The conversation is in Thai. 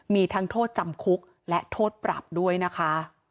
มีทั้งโทษจำคุกและโทษปรับด้วยนะคะ